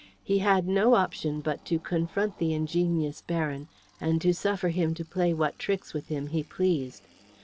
He had no option but to confront the ingenious Baron, and to suffer him to play what tricks with him he pleased.